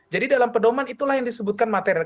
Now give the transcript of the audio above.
jadi dalam perdoman itulah yang disebutkan material